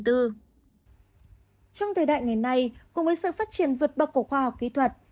trong thời đại ngày nay cùng với sự phát triển vượt bậc của khoa học kỹ thuật